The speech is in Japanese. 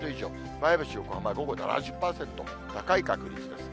前橋、横浜は午後７０％、高い確率です。